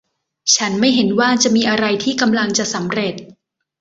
ฉันไม่เห็นว่าจะมีอะไรที่กำลังจะสำเร็จ